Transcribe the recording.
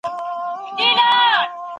زه اوس ښوونځي ته ځم.